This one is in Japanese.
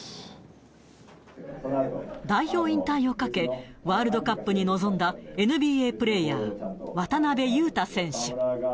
代表引退をかけ、ワールドカップに臨んだＮＢＡプレーヤー、渡邊雄太選手。